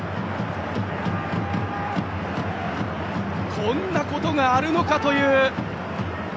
こんなことがあるのかという。